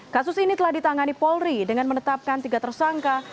kasus ini telah ditangani polri dengan menetapkan tiga tersangka